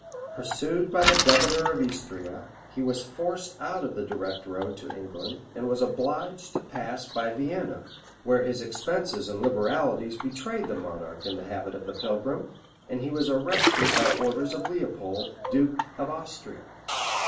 Pursued by the governor of Istria, he was forced out of the direct road to England, and was obliged to pass by Vienna, where his expenses and liberalities betrayed the monarch in the habit of the pilgrim; and he was arrested by orders of Leopold, duke of Austria.